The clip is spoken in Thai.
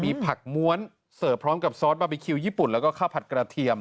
มีผักม้วนเสิร์ฟพร้อมกับซอสบาร์บีคิวญี่ปุ่นแล้วก็ข้าวผัดกระเทียม